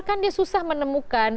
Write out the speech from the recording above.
kan dia susah menemukan